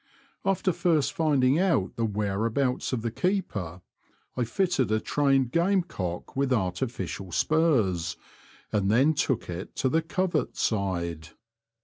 After first finding out the where abouts of the keeper, I fitted a trained game cock with artificial spurs, and then took it to the covert side.